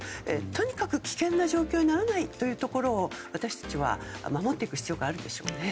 とにかく危険な状況にならないようにというところを私たちは守っていく必要があります。